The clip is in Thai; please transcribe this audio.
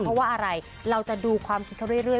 เพราะว่าอะไรเราจะดูความคิดเขาเรื่อย